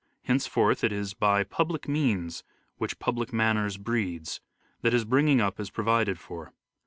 Henceforth it is " by public means which public manners breeds," that his bringing up is pro vided for.